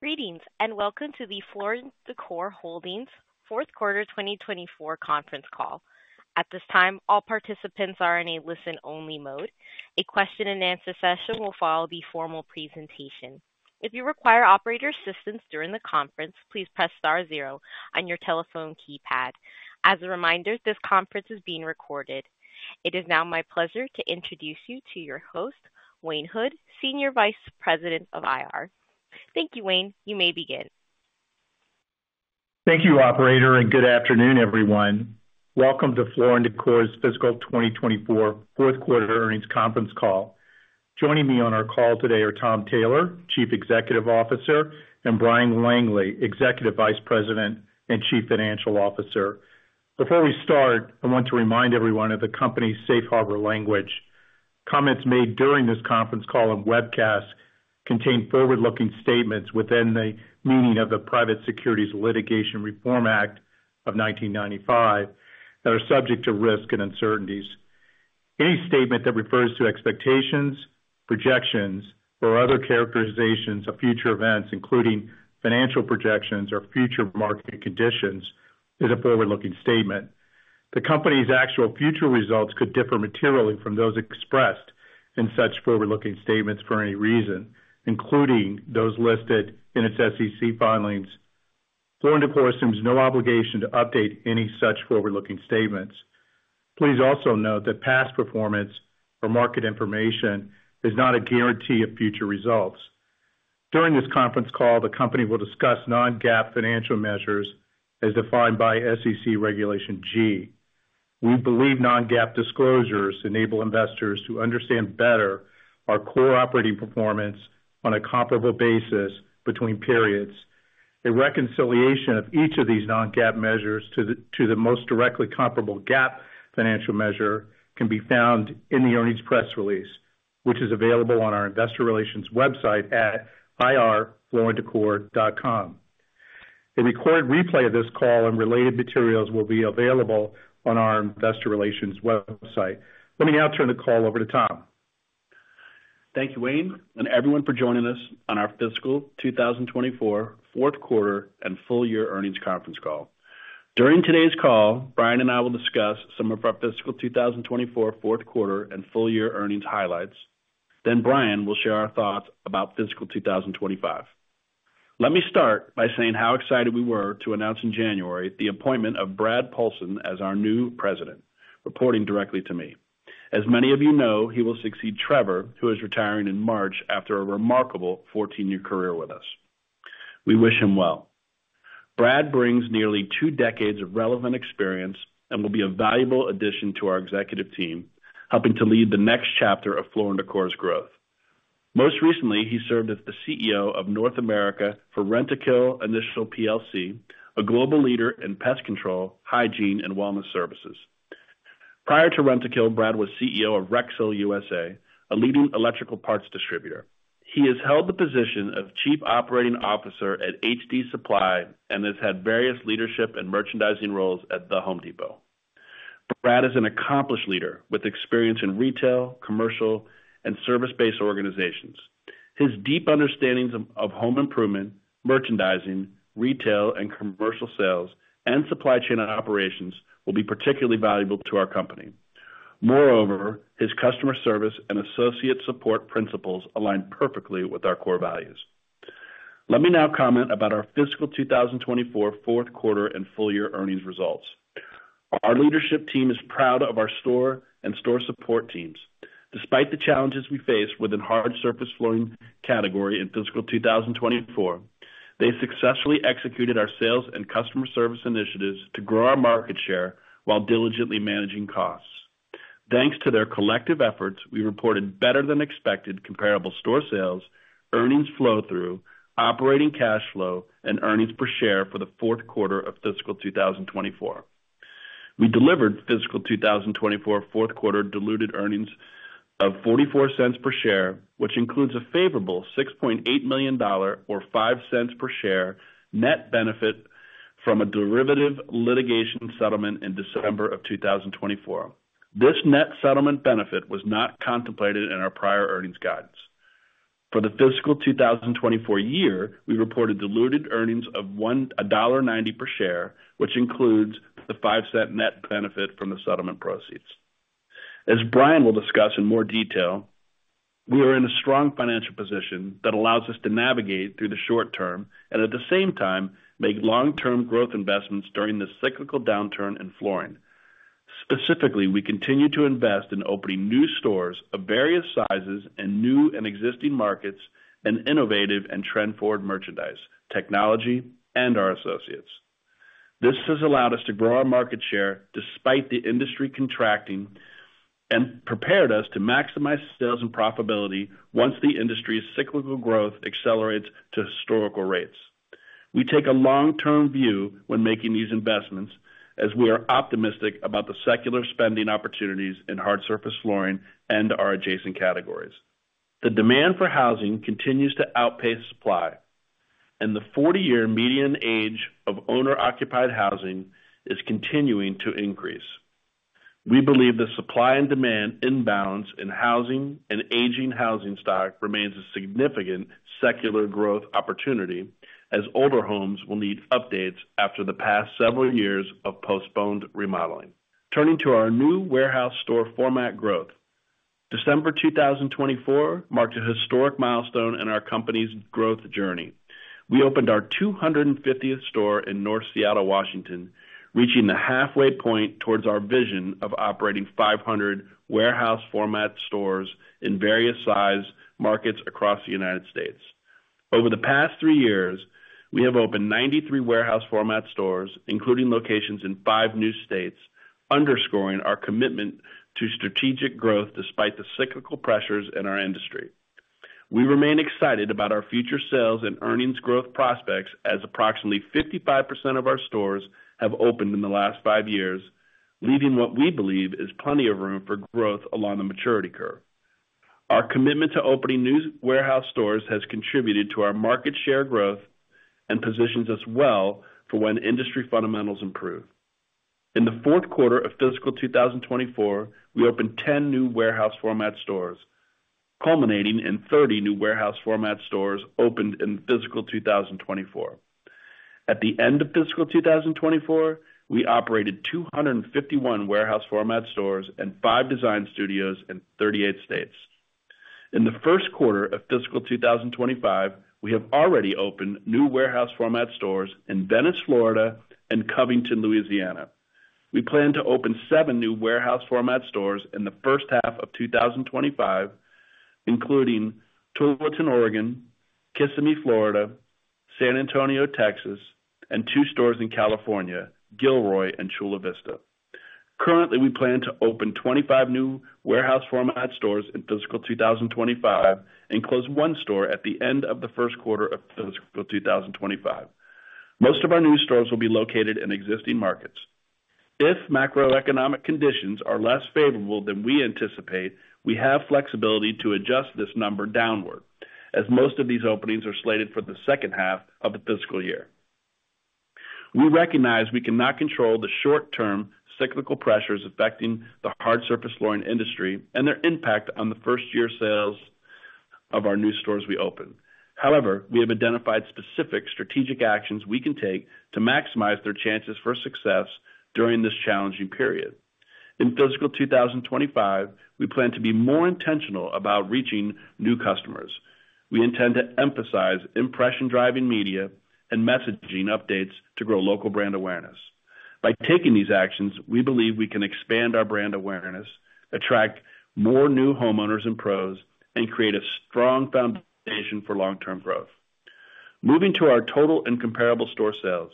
Greetings and welcome to the Floor & Decor's fourth quarter 2024 conference call. At this time, all participants are in a listen-only mode. A question-and-answer session will follow the formal presentation. If you require operator assistance during the conference, please press star zero on your telephone keypad. As a reminder, this conference is being recorded. It is now my pleasure to introduce you to your host, Wayne Hood, Senior Vice President of IR. Thank you, Wayne. You may begin. Thank you, Operator, and good afternoon, everyone. Welcome to Floor & Decor's Fiscal 2024 fourth quarter earnings conference call. Joining me on our call today are Tom Taylor, Chief Executive Officer, and Bryan Langley, Executive Vice President and Chief Financial Officer. Before we start, I want to remind everyone of the company's safe harbor language. Comments made during this conference call and webcast contain forward-looking statements within the meaning of the Private Securities Litigation Reform Act of 1995 that are subject to risk and uncertainties. Any statement that refers to expectations, projections, or other characterizations of future events, including financial projections or future market conditions, is a forward-looking statement. The company's actual future results could differ materially from those expressed in such forward-looking statements for any reason, including those listed in its SEC filings. Floor & Decor assumes no obligation to update any such forward-looking statements. Please also note that past performance or market information is not a guarantee of future results. During this conference call, the company will discuss non-GAAP financial measures as defined by SEC Regulation G. We believe non-GAAP disclosures enable investors to understand better our core operating performance on a comparable basis between periods. A reconciliation of each of these non-GAAP measures to the most directly comparable GAAP financial measure can be found in the earnings press release, which is available on our investor relations website at ir.flooranddecor.com. A recorded replay of this call and related materials will be available on our investor relations website. Let me now turn the call over to Tom. Thank you, Wayne, and everyone for joining us on our Fiscal 2024 fourth quarter and full year earnings conference call. During today's call, Bryan and I will discuss some of our Fiscal 2024 Fourth Quarter and Full Year Earnings Highlights. Then Bryan will share our thoughts about Fiscal 2025. Let me start by saying how excited we were to announce in January the appointment of Brad Paulsen as our new President reporting directly to me. As many of you know, he will succeed Trevor, who is retiring in March after a remarkable 14-year career with us. We wish him well. Brad brings nearly two decades of relevant experience and will be a valuable addition to our Executive team, helping to lead the next chapter of Floor & Decor's growth. Most recently, he served as the CEO of North America for Rentokil Initial plc, a global leader in pest control, hygiene, and wellness services. Prior to Rentokil, Brad was CEO of Rexel USA, a leading electrical parts distributor. He has held the position of Chief Operating Officer at HD Supply and has had various leadership and merchandising roles at The Home Depot. Brad is an accomplished leader with experience in retail, commercial, and service-based organizations. His deep understandings of home improvement, merchandising, retail, and commercial sales, and supply chain operations will be particularly valuable to our company. Moreover, his customer service and associate support principles align perfectly with our core values. Let me now comment about our Fiscal 2024 fourth quarter and full year earnings results. Our leadership team is proud of our store and store support teams. Despite the challenges we faced within hard surface flooring category in Fiscal 2024, they successfully executed our sales and customer service initiatives to grow our market share while diligently managing costs. Thanks to their collective efforts, we reported better than expected comparable store sales, earnings flow-through, operating cash flow, and earnings per share for the fourth quarter of Fiscal 2024. We delivered Fiscal 2024 fourth quarter diluted earnings of $0.44 per share, which includes a favorable $6.8 million or $0.05 per share net benefit from a derivative litigation settlement in December of 2024. This net settlement benefit was not contemplated in our prior earnings guidance. For the Fiscal 2024 year, we reported diluted earnings of $1.90 per share, which includes the $0.05 net benefit from the settlement proceeds. As Bryan will discuss in more detail, we are in a strong financial position that allows us to navigate through the short term and at the same time make long-term growth investments during this cyclical downturn in flooring. Specifically, we continue to invest in opening new stores of various sizes in new and existing markets and innovative and trend-forward merchandise, technology, and our associates. This has allowed us to grow our market share despite the industry contracting and prepared us to maximize sales and profitability once the industry's cyclical growth accelerates to historical rates. We take a long-term view when making these investments as we are optimistic about the secular spending opportunities in hard surface flooring and our adjacent categories. The demand for housing continues to outpace supply, and the 40-year median age of owner-occupied housing is continuing to increase. We believe the supply and demand imbalance in housing and aging housing stock remains a significant secular growth opportunity as older homes will need updates after the past several years of postponed remodeling. Turning to our new warehouse store format growth, December 2024 marked a historic milestone in our company's growth journey. We opened our 250th store in North Seattle, Washington, reaching the halfway point towards our vision of operating 500 warehouse format stores in various size markets across the United States. Over the past three years, we have opened 93 warehouse format stores, including locations in five new states, underscoring our commitment to strategic growth despite the cyclical pressures in our industry. We remain excited about our future sales and earnings growth prospects as approximately 55% of our stores have opened in the last five years, leaving what we believe is plenty of room for growth along the maturity curve. Our commitment to opening new warehouse stores has contributed to our market share growth and positions us well for when industry fundamentals improve. In the fourth quarter of Fiscal 2024, we opened 10 new warehouse format stores, culminating in 30 new warehouse format stores opened in Fiscal 2024. At the end of Fiscal 2024, we operated 251 warehouse format stores and five Design Studios in 38 states. In the first quarter of Fiscal 2025, we have already opened new warehouse format stores in Venice, Florida, and Covington, Louisiana. We plan to open seven new warehouse format stores in the first half of 2025, including Tualatin, Oregon, Kissimmee, Florida, San Antonio, Texas, and two stores in California, Gilroy and Chula Vista. Currently, we plan to open 25 new warehouse format stores in Fiscal 2025 and close one store at the end of the first quarter of Fiscal 2025. Most of our new stores will be located in existing markets. If macroeconomic conditions are less favorable than we anticipate, we have flexibility to adjust this number downward as most of these openings are slated for the second half of the Fiscal year. We recognize we cannot control the short-term cyclical pressures affecting the hard surface flooring industry and their impact on the first-year sales of our new stores we open. However, we have identified specific strategic actions we can take to maximize their chances for success during this challenging period. In Fiscal 2025, we plan to be more intentional about reaching new customers. We intend to emphasize impression-driving media and messaging updates to grow local brand awareness. By taking these actions, we believe we can expand our brand awareness, attract more new homeowners and pros, and create a strong foundation for long-term growth. Moving to our total and comparable store sales,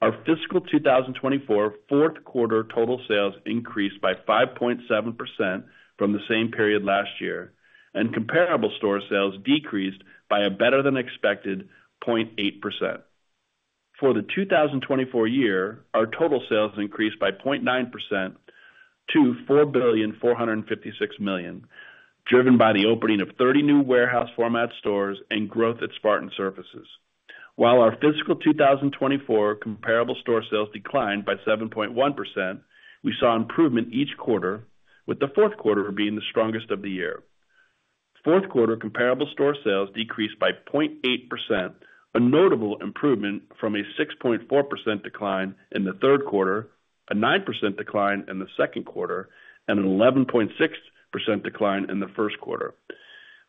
our Fiscal 2024 fourth quarter total sales increased by 5.7% from the same period last year, and comparable store sales decreased by a better than expected 0.8%. For the 2024 year, our total sales increased by 0.9% to $4,456 million, driven by the opening of 30 new warehouse format stores and growth at Spartan Surfaces. While our Fiscal 2024 comparable store sales declined by 7.1%, we saw improvement each quarter, with the fourth quarter being the strongest of the year. Fourth quarter comparable store sales decreased by 0.8%, a notable improvement from a 6.4% decline in the third quarter, a 9% decline in the second quarter, and an 11.6% decline in the first quarter.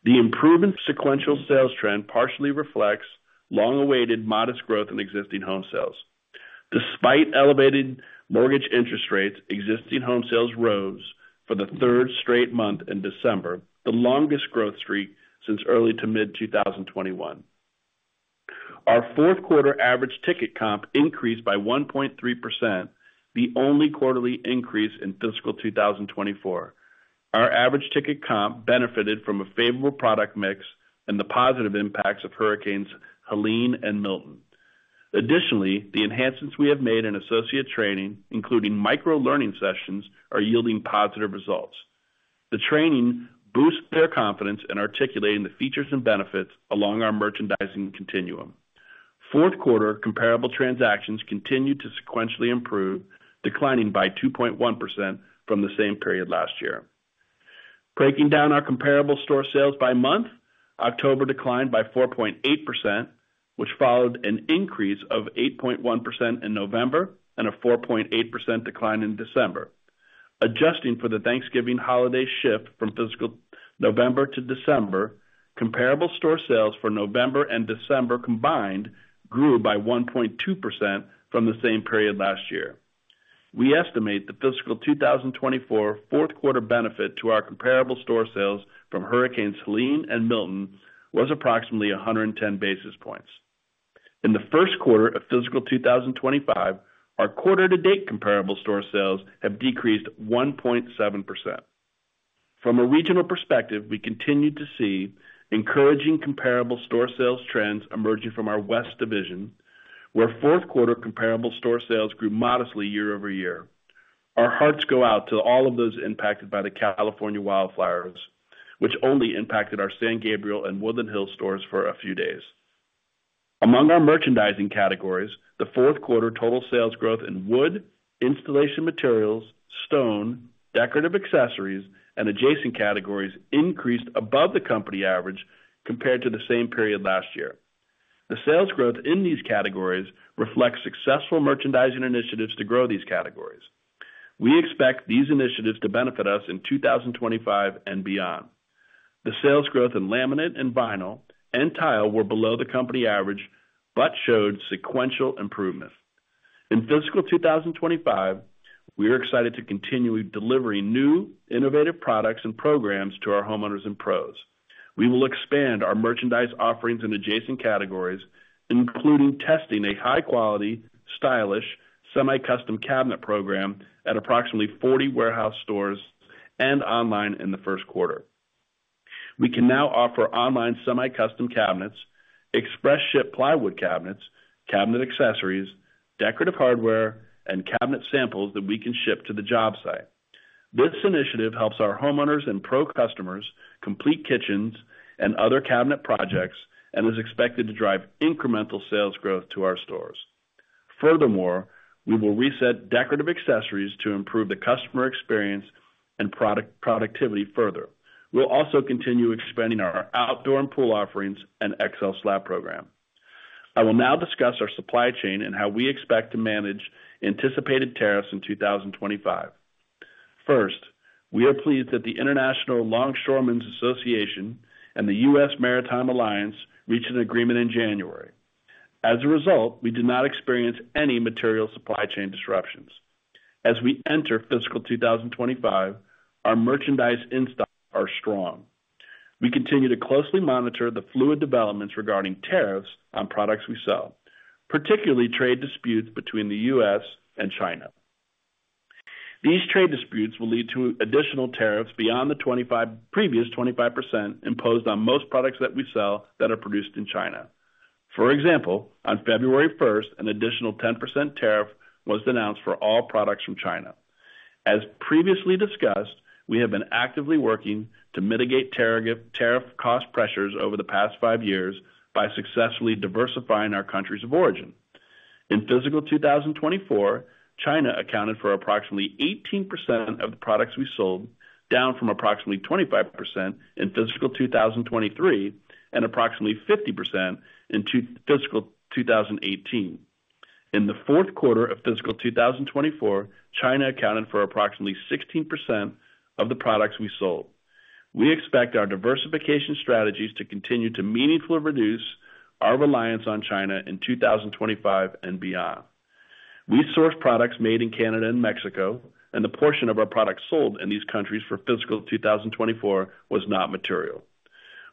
The improving sequential sales trend partially reflects long-awaited modest growth in existing home sales. Despite elevated mortgage interest rates, existing home sales rose for the third straight month in December, the longest growth streak since early to mid-2021. Our fourth quarter average ticket comp increased by 1.3%, the only quarterly increase in Fiscal 2024. Our average ticket comp benefited from a favorable product mix and the positive impacts of hurricanes Helene and Milton. Additionally, the enhancements we have made in associate training, including micro-learning sessions, are yielding positive results. The training boosts their confidence in articulating the features and benefits along our merchandising continuum. Fourth quarter comparable transactions continued to sequentially improve, declining by 2.1% from the same period last year. Breaking down our comparable store sales by month, October declined by 4.8%, which followed an increase of 8.1% in November and a 4.8% decline in December. Adjusting for the Thanksgiving holiday shift from Fiscal November to December, comparable store sales for November and December combined grew by 1.2% from the same period last year. We estimate the Fiscal 2024 fourth quarter benefit to our comparable store sales from hurricanes Helene and Milton was approximately 110 basis points. In the first quarter of Fiscal 2025, our quarter-to-date comparable store sales have decreased 1.7%. From a regional perspective, we continue to see encouraging comparable store sales trends emerging from our West Division, where fourth quarter comparable store sales grew modestly year-over-year. Our hearts go out to all of those impacted by the California wildfires, which only impacted our San Gabriel and Woodland Hills stores for a few days. Among our merchandising categories, the fourth quarter total sales growth in wood, installation materials, stone, decorative accessories, and adjacent categories increased above the company average compared to the same period last year. The sales growth in these categories reflects successful merchandising initiatives to grow these categories. We expect these initiatives to benefit us in 2025 and beyond. The sales growth in laminate and vinyl and tile were below the company average but showed sequential improvements. In Fiscal 2025, we are excited to continue delivering new innovative products and programs to our homeowners and pros. We will expand our merchandise offerings in adjacent categories, including testing a high-quality, stylish semi-custom cabinet program at approximately 40 warehouse stores and online in the first quarter. We can now offer online semi-custom cabinets, express ship plywood cabinets, cabinet accessories, decorative hardware, and cabinet samples that we can ship to the job site. This initiative helps our homeowners and pro customers complete kitchens and other cabinet projects and is expected to drive incremental sales growth to our stores. Furthermore, we will reset decorative accessories to improve the customer experience and productivity further. We'll also continue expanding our outdoor and pool offerings and XL Slab program. I will now discuss our supply chain and how we expect to manage anticipated tariffs in 2025. First, we are pleased that the International Longshoremen's Association and the U.S. Maritime Alliance reached an agreement in January. As a result, we did not experience any material supply chain disruptions. As we enter Fiscal 2025, our merchandise inventories are strong. We continue to closely monitor the fluid developments regarding tariffs on products we sell, particularly trade disputes between the U.S. and China. These trade disputes will lead to additional tariffs beyond the previous 25% imposed on most products that we sell that are produced in China. For example, on February 1st, an additional 10% tariff was announced for all products from China. As previously discussed, we have been actively working to mitigate tariff cost pressures over the past five years by successfully diversifying our countries of origin. In Fiscal 2024, China accounted for approximately 18% of the products we sold, down from approximately 25% in Fiscal 2023 and approximately 50% in Fiscal 2018. In the fourth quarter of Fiscal 2024, China accounted for approximately 16% of the products we sold. We expect our diversification strategies to continue to meaningfully reduce our reliance on China in 2025 and beyond. We source products made in Canada and Mexico, and the portion of our products sold in these countries for Fiscal 2024 was not material.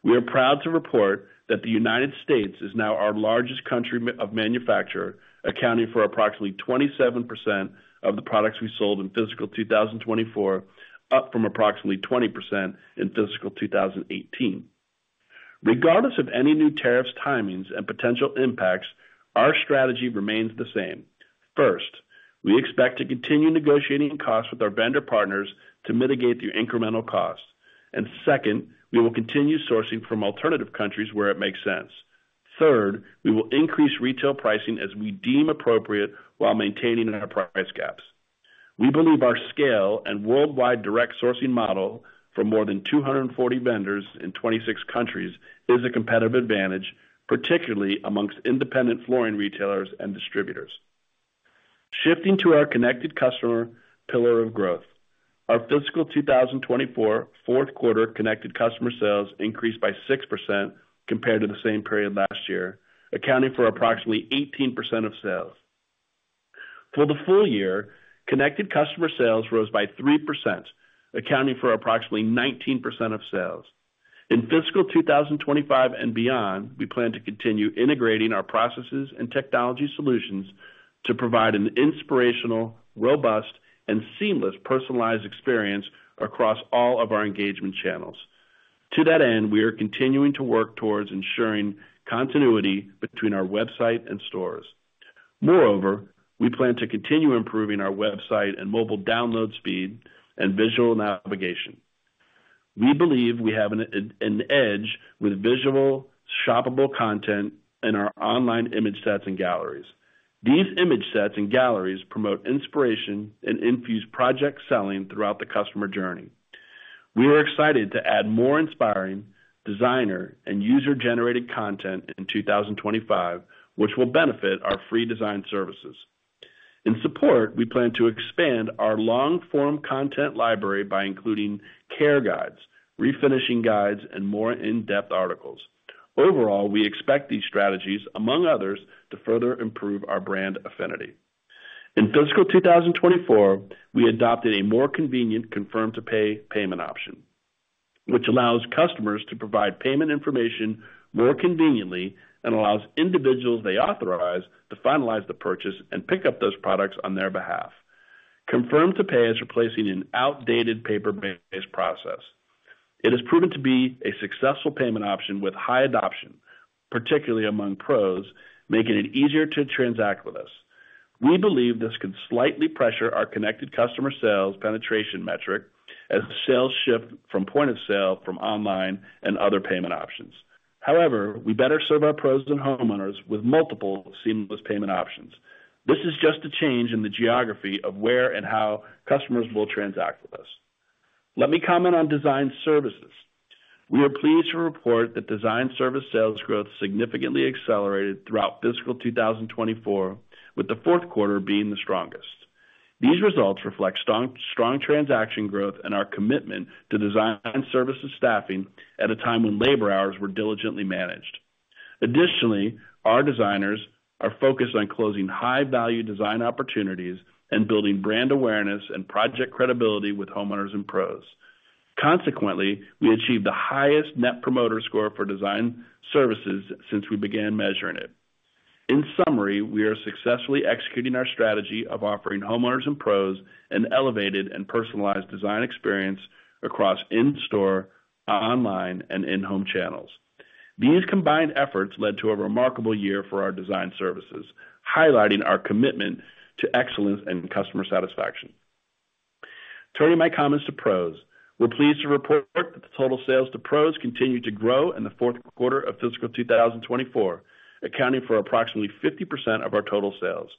We are proud to report that the United States is now our largest country of manufacturer, accounting for approximately 27% of the products we sold in Fiscal 2024, up from approximately 20% in Fiscal 2018. Regardless of any new tariff timings and potential impacts, our strategy remains the same. First, we expect to continue negotiating costs with our vendor partners to mitigate the incremental costs. And second, we will continue sourcing from alternative countries where it makes sense. Third, we will increase retail pricing as we deem appropriate while maintaining our price gaps. We believe our scale and worldwide direct sourcing model for more than 240 vendors in 26 countries is a competitive advantage, particularly amongst independent flooring retailers and distributors. Shifting to our Connected Customer pillar of growth, our Fiscal 2024 fourth quarter Connected Customer sales increased by 6% compared to the same period last year, accounting for approximately 18% of sales. For the full year, Connected Customer sales rose by 3%, accounting for approximately 19% of sales. In Fiscal 2025 and beyond, we plan to continue integrating our processes and technology solutions to provide an inspirational, robust, and seamless personalized experience across all of our engagement channels. To that end, we are continuing to work towards ensuring continuity between our website and stores. Moreover, we plan to continue improving our website and mobile download speed and visual navigation. We believe we have an edge with visual, shoppable content in our online image sets and galleries. These image sets and galleries promote inspiration and infuse project selling throughout the customer journey. We are excited to add more inspiring designer and user-generated content in 2025, which will benefit our free design services. In support, we plan to expand our long-form content library by including care guides, refinishing guides, and more in-depth articles. Overall, we expect these strategies, among others, to further improve our brand affinity. In Fiscal 2024, we adopted a more convenient Confirm-to-Pay payment option, which allows customers to provide payment information more conveniently and allows individuals they authorize to finalize the purchase and pick up those products on their behalf. Confirm-to-Pay is replacing an outdated paper-based process. It has proven to be a successful payment option with high adoption, particularly among pros, making it easier to transact with us. We believe this could slightly pressure our Connected Customer sales penetration metric as sales shift from point of sale from online and other payment options. However, we better serve our pros and homeowners with multiple seamless payment options. This is just a change in the geography of where and how customers will transact with us. Let me comment on design services. We are pleased to report that design service sales growth significantly accelerated throughout Fiscal 2024, with the fourth quarter being the strongest. These results reflect strong transaction growth and our commitment to design services staffing at a time when labor hours were diligently managed. Additionally, our designers are focused on closing high-value design opportunities and building brand awareness and project credibility with homeowners and pros. Consequently, we achieved the highest Net Promoter Score for design services since we began measuring it. In summary, we are successfully executing our strategy of offering homeowners and pros an elevated and personalized design experience across in-store, online, and in-home channels. These combined efforts led to a remarkable year for our design services, highlighting our commitment to excellence and customer satisfaction. Turning my comments to pros, we're pleased to report that the total sales to pros continued to grow in the fourth quarter of Fiscal 2024, accounting for approximately 50% of our total sales.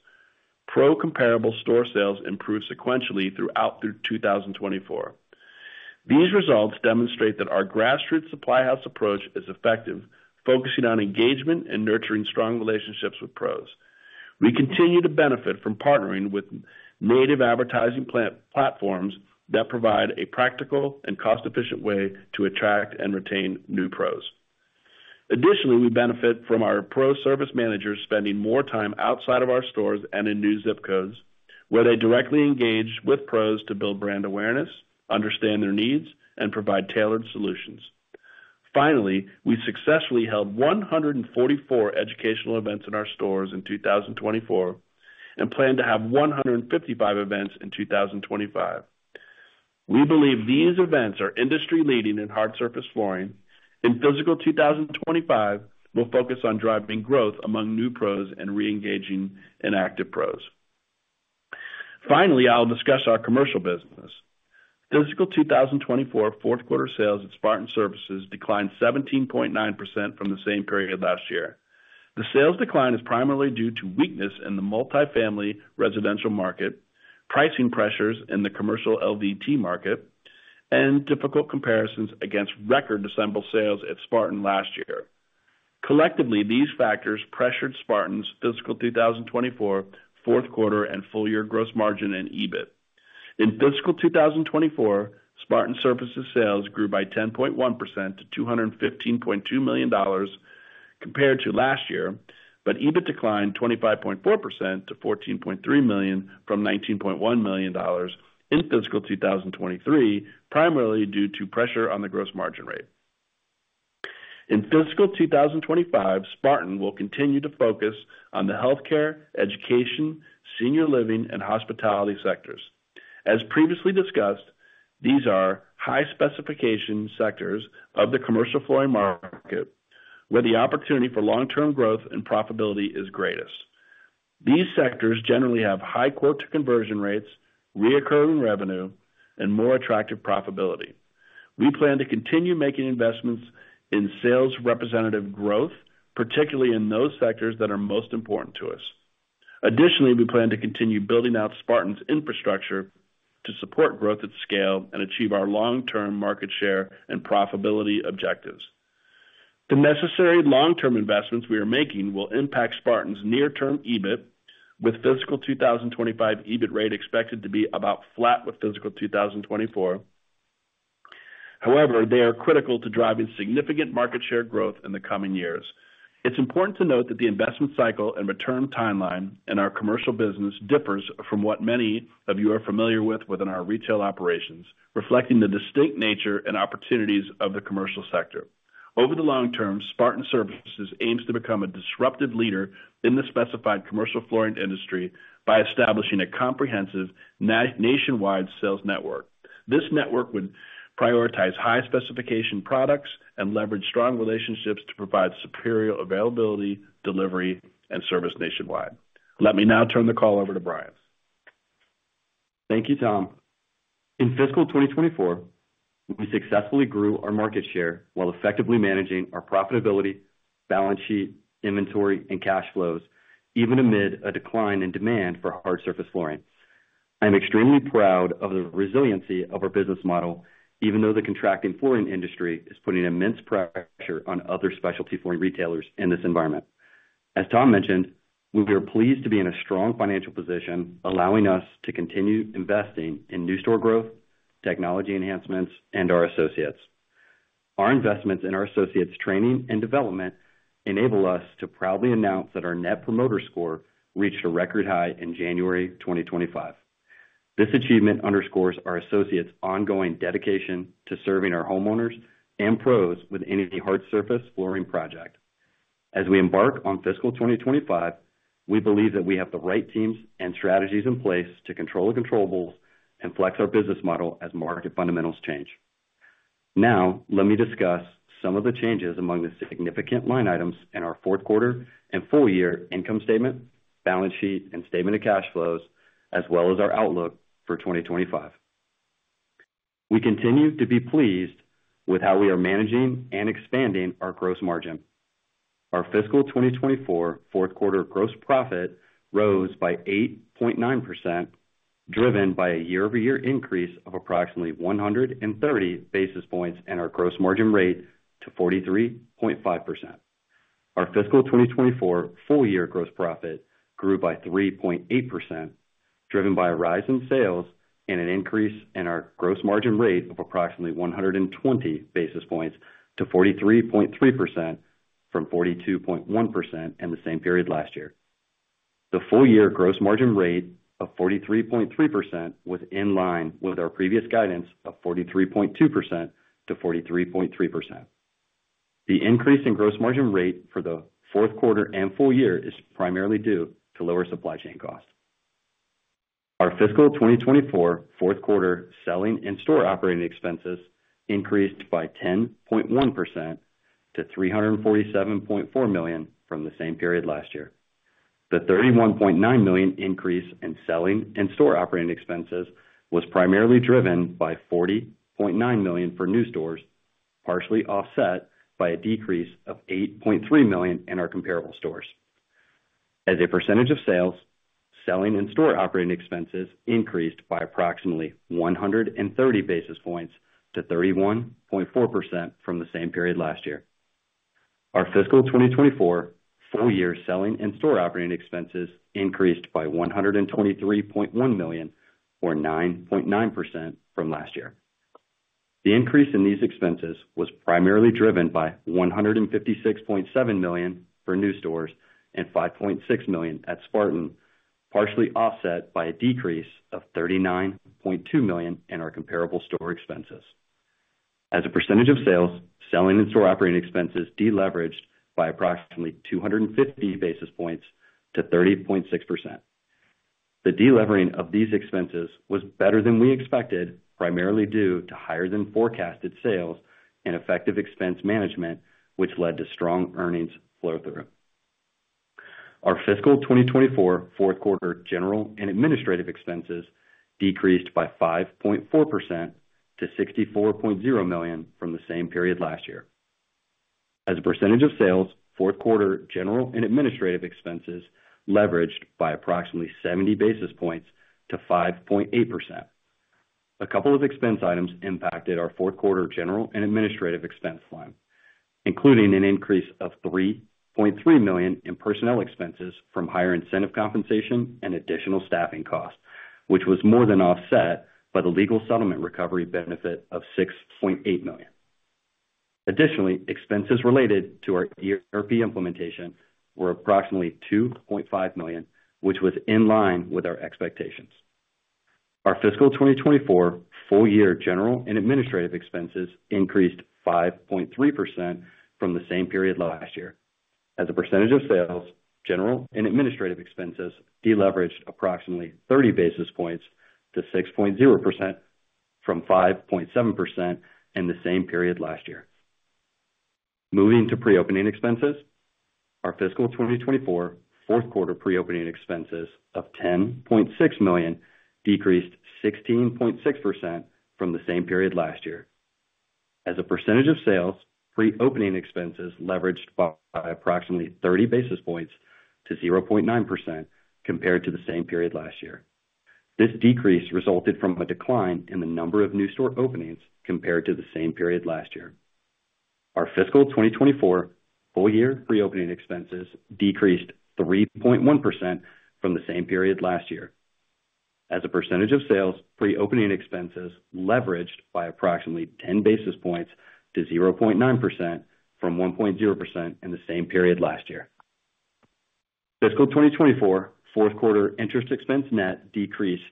Pro comparable store sales improved sequentially throughout 2024. These results demonstrate that our grassroots supply house approach is effective, focusing on engagement and nurturing strong relationships with pros. We continue to benefit from partnering with native advertising platforms that provide a practical and cost-efficient way to attract and retain new pros. Additionally, we benefit from our Professional Services Managers spending more time outside of our stores and in new zip codes, where they directly engage with pros to build brand awareness, understand their needs, and provide tailored solutions. Finally, we successfully held 144 educational events in our stores in 2024 and plan to have 155 events in 2025. We believe these events are industry-leading in hard surface flooring. In Fiscal 2025, we'll focus on driving growth among new pros and re-engaging inactive pros. Finally, I'll discuss our commercial business. Fiscal 2024 fourth quarter sales at Spartan Surfaces declined 17.9% from the same period last year. The sales decline is primarily due to weakness in the multifamily residential market, pricing pressures in the commercial LVT market, and difficult comparisons against record assembled sales at Spartan last year. Collectively, these factors pressured Spartan's Fiscal 2024 fourth quarter and full year gross margin and EBIT. In Fiscal 2024, Spartan Surfaces sales grew by 10.1% to $215.2 million compared to last year, but EBIT declined 25.4% to $14.3 million from $19.1 million in Fiscal 2023, primarily due to pressure on the gross margin rate. In Fiscal 2025, Spartan will continue to focus on the healthcare, education, senior living, and hospitality sectors. As previously discussed, these are high specification sectors of the commercial flooring market, where the opportunity for long-term growth and profitability is greatest. These sectors generally have high quote conversion rates, recurring revenue, and more attractive profitability. We plan to continue making investments in sales representative growth, particularly in those sectors that are most important to us. Additionally, we plan to continue building out Spartan's infrastructure to support growth at scale and achieve our long-term market share and profitability objectives. The necessary long-term investments we are making will impact Spartan's near-term EBIT, with Fiscal 2025 EBIT rate expected to be about flat with Fiscal 2024. However, they are critical to driving significant market share growth in the coming years. It's important to note that the investment cycle and return timeline in our commercial business differs from what many of you are familiar with within our retail operations, reflecting the distinct nature and opportunities of the commercial sector. Over the long-term, Spartan Surfaces aims to become a disruptive leader in the specified commercial flooring industry by establishing a comprehensive nationwide sales network. This network would prioritize high specification products and leverage strong relationships to provide superior availability, delivery, and service nationwide. Let me now turn the call over to Bryan. Thank you, Tom. In Fiscal 2024, we successfully grew our market share while effectively managing our profitability, balance sheet, inventory, and cash flows, even amid a decline in demand for hard surface flooring. I'm extremely proud of the resiliency of our business model, even though the contracting flooring industry is putting immense pressure on other specialty flooring retailers in this environment. As Tom mentioned, we are pleased to be in a strong financial position, allowing us to continue investing in new store growth, technology enhancements, and our associates. Our investments in our associates' training and development enable us to proudly announce that our Net Promoter Score reached a record high in January 2025. This achievement underscores our associates' ongoing dedication to serving our homeowners and pros with any hard surface flooring project. As we embark on Fiscal 2025, we believe that we have the right teams and strategies in place to control the controllables and flex our business model as market fundamentals change. Now, let me discuss some of the changes among the significant line items in our fourth quarter and full year income statement, balance sheet, and statement of cash flows, as well as our outlook for 2025. We continue to be pleased with how we are managing and expanding our gross margin. Our Fiscal 2024 fourth quarter gross profit rose by 8.9%, driven by a year-over-year increase of approximately 130 basis points in our gross margin rate to 43.5%. Our Fiscal 2024 full year gross profit grew by 3.8%, driven by a rise in sales and an increase in our gross margin rate of approximately 120 basis points to 43.3% from 42.1% in the same period last year. The full year gross margin rate of 43.3% was in line with our previous guidance of 43.2%-43.3%. The increase in gross margin rate for the fourth quarter and full year is primarily due to lower supply chain costs. Our Fiscal 2024 fourth quarter selling and store operating expenses increased by 10.1% to $347.4 million from the same period last year. The $31.9 million increase in selling and store operating expenses was primarily driven by $40.9 million for new stores, partially offset by a decrease of $8.3 million in our comparable stores. As a percentage of sales, selling and store operating expenses increased by approximately 130 basis points to 31.4% from the same period last year. Our Fiscal 2024 full year selling and store operating expenses increased by $123.1 million, or 9.9% from last year. The increase in these expenses was primarily driven by $156.7 million for new stores and $5.6 million at Spartan, partially offset by a decrease of $39.2 million in our comparable store expenses. As a percentage of sales, selling and store operating expenses deleveraged by approximately 250 basis points to 30.6%. The deleveraging of these expenses was better than we expected, primarily due to higher than forecasted sales and effective expense management, which led to strong earnings flow-through. Our Fiscal 2024 fourth quarter general and administrative expenses decreased by 5.4% to $64.0 million from the same period last year. As a percentage of sales, fourth quarter general and administrative expenses leveraged by approximately 70 basis points to 5.8%. A couple of expense items impacted our fourth quarter general and administrative expense line, including an increase of $3.3 million in personnel expenses from higher incentive compensation and additional staffing costs, which was more than offset by the legal settlement recovery benefit of $6.8 million. Additionally, expenses related to our ERP implementation were approximately $2.5 million, which was in line with our expectations. Our Fiscal 2024 full year general and administrative expenses increased 5.3% from the same period last year. As a percentage of sales, general and administrative expenses deleveraged approximately 30 basis points to 6.0% from 5.7% in the same period last year. Moving to pre-opening expenses, our Fiscal 2024 fourth quarter pre-opening expenses of $10.6 million decreased 16.6% from the same period last year. As a percentage of sales, pre-opening expenses leveraged by approximately 30 basis points to 0.9% compared to the same period last year. This decrease resulted from a decline in the number of new store openings compared to the same period last year. Our Fiscal 2024 full year pre-opening expenses decreased 3.1% from the same period last year. As a percentage of sales, pre-opening expenses leveraged by approximately 10 basis points to 0.9% from 1.0% in the same period last year. Fiscal 2024 fourth quarter interest expense net decreased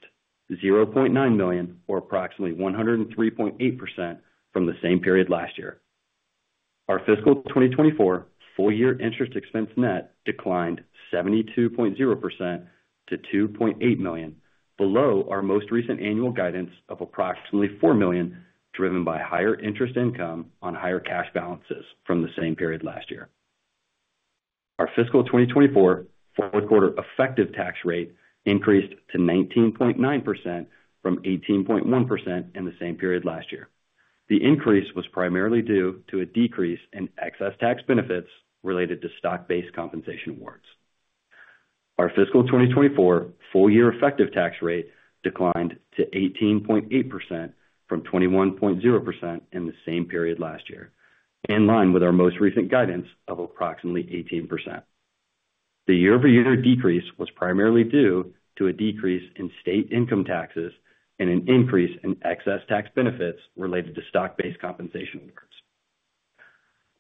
$0.9 million, or approximately 103.8% from the same period last year. Our Fiscal 2024 full year interest expense net declined 72.0% to $2.8 million, below our most recent annual guidance of approximately $4 million, driven by higher interest income on higher cash balances from the same period last year. Our Fiscal 2024 fourth quarter effective tax rate increased to 19.9% from 18.1% in the same period last year. The increase was primarily due to a decrease in excess tax benefits related to stock-based compensation awards. Our Fiscal 2024 full year effective tax rate declined to 18.8% from 21.0% in the same period last year, in line with our most recent guidance of approximately 18%. The year-over-year decrease was primarily due to a decrease in state income taxes and an increase in excess tax benefits related to stock-based compensation awards.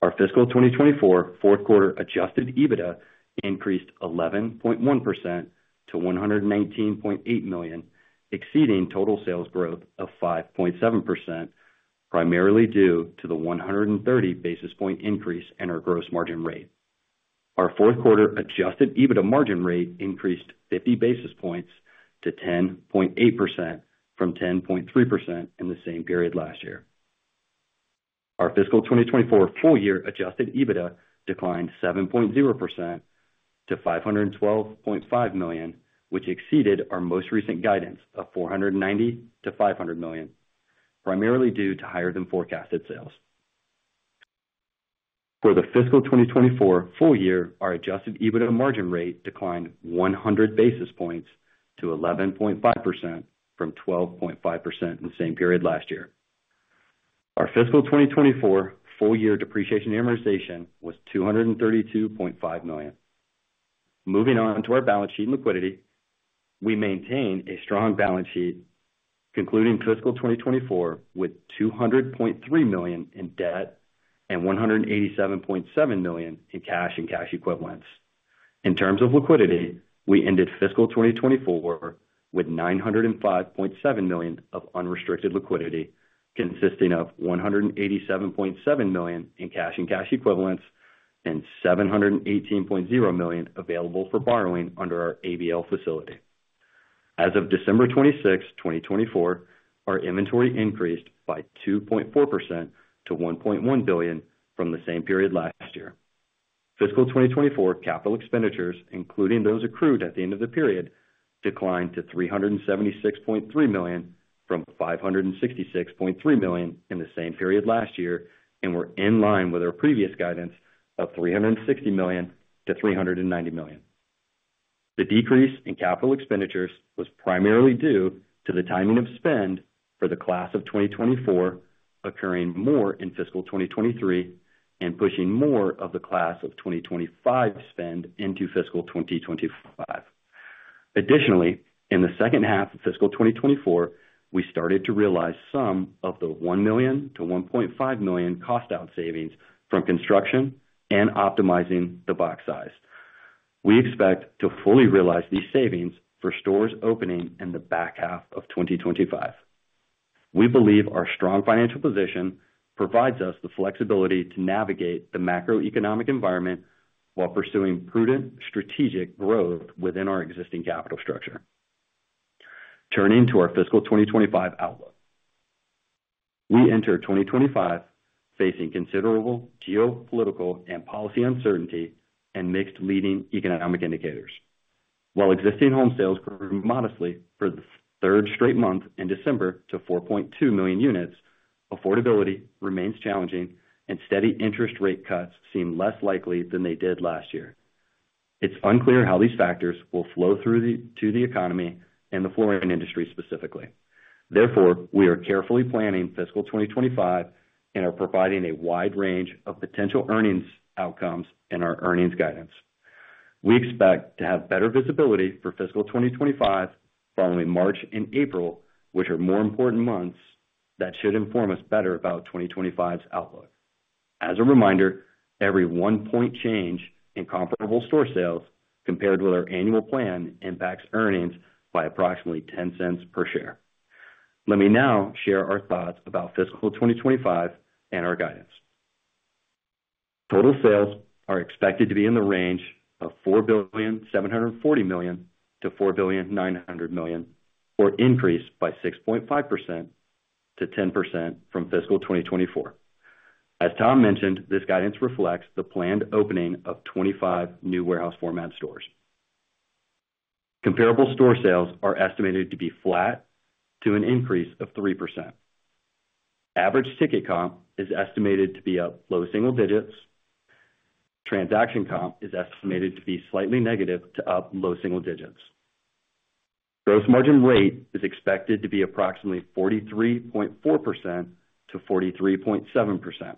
Our Fiscal 2024 fourth quarter adjusted EBITDA increased 11.1% to $119.8 million, exceeding total sales growth of 5.7%, primarily due to the 130 basis points increase in our gross margin rate. Our fourth quarter adjusted EBITDA margin rate increased 50 basis points to 10.8% from 10.3% in the same period last year. Our Fiscal 2024 full year adjusted EBITDA declined 7.0% to $512.5 million, which exceeded our most recent guidance of $490.00-$500.00 million, primarily due to higher than forecasted sales. For the Fiscal 2024 full year, our adjusted EBITDA margin rate declined 100 basis points to 11.5% from 12.5% in the same period last year. Our Fiscal 2024 full year depreciation amortization was $232.5 million. Moving on to our balance sheet and liquidity, we maintain a strong balance sheet, concluding Fiscal 2024 with $200.3 million in debt and $187.7 million in cash and cash equivalents. In terms of liquidity, we ended Fiscal 2024 with $905.7 million of unrestricted liquidity, consisting of $187.7 million in cash and cash equivalents and $718.0 million available for borrowing under our ABL facility. As of December 26, 2024, our inventory increased by 2.4% to $1.1 billion from the same period last year. Fiscal 2024 capital expenditures, including those accrued at the end of the period, declined to $376.3 million from $566.3 million in the same period last year and were in line with our previous guidance of $360.00-$390.00 million. The decrease in capital expenditures was primarily due to the timing of spend for the Class of 2024 occurring more in Fiscal 2023 and pushing more of the Class of 2025 spend into Fiscal 2025. Additionally, in the second half of Fiscal 2024, we started to realize some of the $1.00-$1.5 million costout savings from construction and optimizing the box size. We expect to fully realize these savings for stores opening in the back half of 2025. We believe our strong financial position provides us the flexibility to navigate the macroeconomic environment while pursuing prudent strategic growth within our existing capital structure. Turning to our Fiscal 2025 outlook, we enter 2025 facing considerable geopolitical and policy uncertainty and mixed leading economic indicators. While existing home sales grew modestly for the third straight month in December to $4.2 million units, affordability remains challenging, and steady interest rate cuts seem less likely than they did last year. It's unclear how these factors will flow through to the economy and the flooring industry specifically. Therefore, we are carefully planning Fiscal 2025 and are providing a wide range of potential earnings outcomes in our earnings guidance. We expect to have better visibility for Fiscal 2025 following March and April, which are more important months that should inform us better about 2025's outlook. As a reminder, every one-point change in comparable store sales compared with our annual plan impacts earnings by approximately $0.10 per share. Let me now share our thoughts about Fiscal 2025 and our guidance. Total sales are expected to be in the range of $4,740,000,000-$4,900,000,000, or increased by 6.5%-10% from Fiscal 2024. As Tom mentioned, this guidance reflects the planned opening of 25 new warehouse format stores. Comparable store sales are estimated to be flat to an increase of 3%. Average ticket comp is estimated to be up low single digits. Transaction comp is estimated to be slightly negative to up low single digits. Gross margin rate is expected to be approximately 43.4%-43.7%.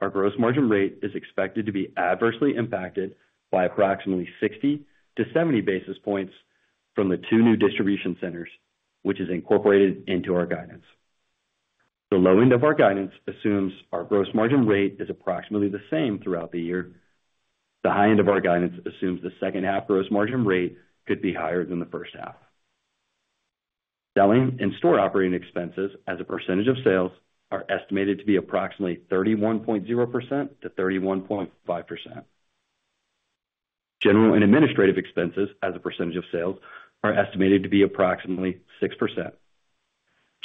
Our gross margin rate is expected to be adversely impacted by approximately 60-70 basis points from the two new distribution centers, which is incorporated into our guidance. The low end of our guidance assumes our gross margin rate is approximately the same throughout the year. The high end of our guidance assumes the second half gross margin rate could be higher than the first half. Selling and store operating expenses as a percentage of sales are estimated to be approximately 31.0%-31.5%. General and administrative expenses as a percentage of sales are estimated to be approximately 6%.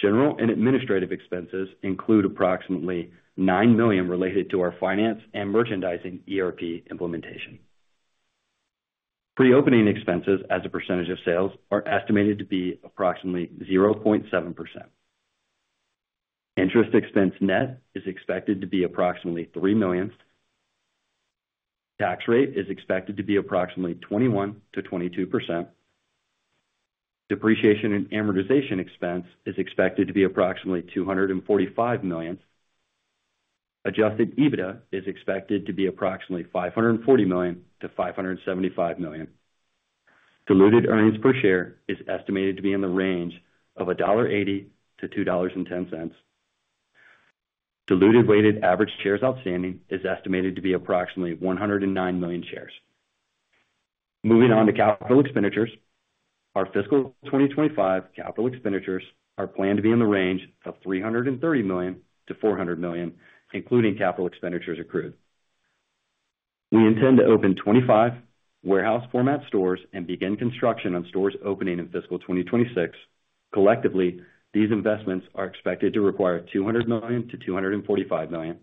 General and administrative expenses include approximately $9 million related to our finance and merchandising ERP implementation. Pre-opening expenses as a percentage of sales are estimated to be approximately 0.7%. Interest expense net is expected to be approximately $3 million. Tax rate is expected to be approximately 21%-22%. Depreciation and amortization expense is expected to be approximately $245 million. Adjusted EBITDA is expected to be approximately $540 million-$575 million. Diluted earnings per share is estimated to be in the range of $1.80-$2.10. Diluted weighted average shares outstanding is estimated to be approximately 109 million shares. Moving on to capital expenditures, our Fiscal 2025 capital expenditures are planned to be in the range of $330 million-$400 million, including capital expenditures accrued. We intend to open 25 warehouse format stores and begin construction on stores opening in Fiscal 2026. Collectively, these investments are expected to require $200 million-$245 million.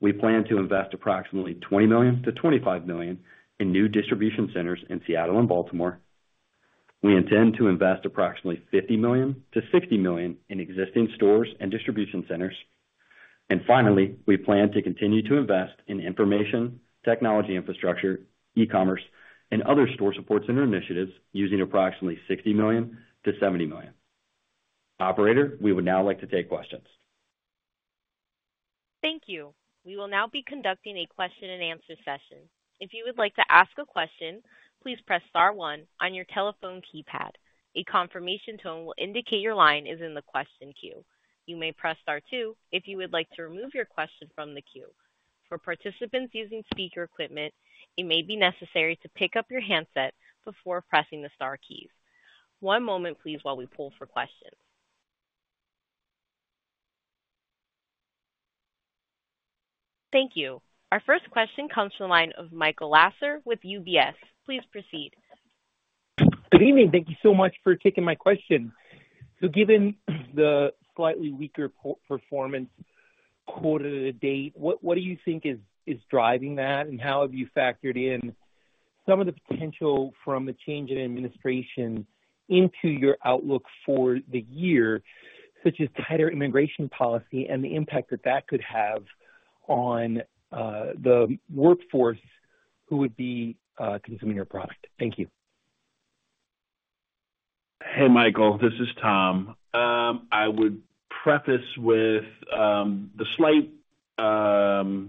We plan to invest approximately $20 million-$25 million in new distribution centers in Seattle and Baltimore. We intend to invest approximately $50 million-$60 million in existing stores and distribution centers. And finally, we plan to continue to invest in information, technology infrastructure, e-commerce, and other store support center initiatives using approximately $60 million-$70 million. Operator, we would now like to take questions. Thank you. We will now be conducting a question-and-answer session. If you would like to ask a question, please press star one on your telephone keypad. A confirmation tone will indicate your line is in the question queue. You may press star two if you would like to remove your question from the queue. For participants using speaker equipment, it may be necessary to pick up your handset before pressing the Star keys. One moment, please, while we pull for questions. Thank you. Our first question comes from the line of Michael Lasser with UBS. Please proceed. Good evening. Thank you so much for taking my question. So given the slightly weaker performance quarter to date, what do you think is driving that, and how have you factored in some of the potential from the change in administration into your outlook for the year, such as tighter immigration policy and the impact that that could have on the workforce who would be consuming your product? Thank you. Hey, Michael. This is Tom. I would preface with the slight slowdown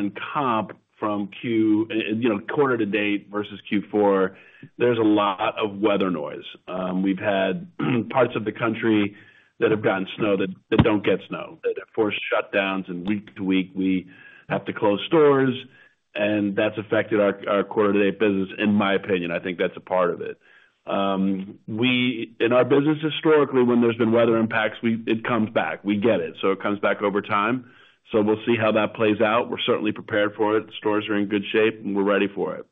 in comp from Q, you know, quarter to date versus Q4. There's a lot of weather noise. We've had parts of the country that have gotten snow that don't get snow. They've had forced shutdowns, and week to week, we have to close stores, and that's affected our quarter to date business, in my opinion. I think that's a part of it. In our business, historically, when there's been weather impacts, it comes back. We get it. So it comes back over time. So we'll see how that plays out. We're certainly prepared for it. The stores are in good shape, and we're ready for it.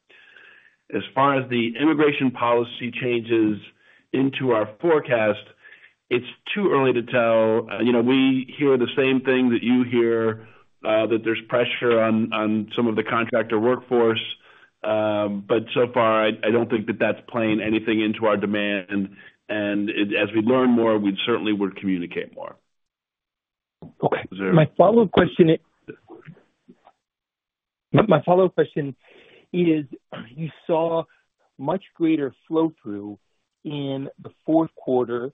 As far as the immigration policy changes into our forecast, it's too early to tell. You know, we hear the same thing that you hear, that there's pressure on some of the contractor workforce. But so far, I don't think that that's playing anything into our demand. And as we learn more, we certainly would communicate more. Okay. My follow-up question is, you saw much greater flow-through in the fourth quarter